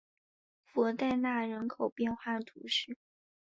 弗代纳人口变化图示